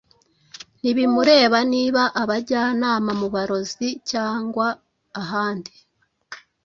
ntibimureba niba abajyana mu barozi cyangwa ahandi,